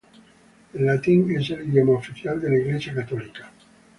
El latín es el idioma oficial de la Iglesia católica.